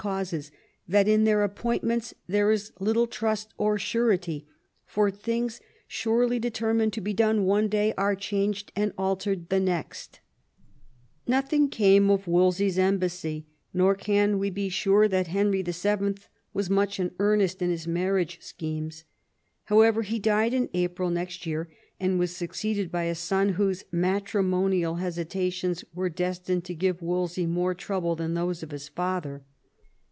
causes, that in their appointments there is little trust or surety; for things surely determined to be done one day are changed and altered the next" Nothing came of Wolsey's embassy, nor can we be sure that Henry VII. was much in earnest in his marriage schemes. However, he died in April next year, and was succeeded by a son whose matrimonial hesitations were destined to give Wolsey more trouble than those of his father.